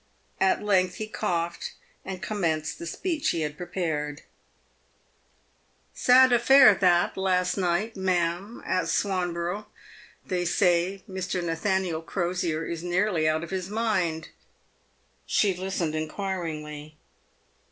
At length he coughed and commenced the speech he had prepared. " Sad affair that, last night, ma'am, at Swanboro.ugh. PAVED WITII GOLD. 407 They say Mr. Nathaniel Crosier is nearly out of his mind." She lis tened inquiringly.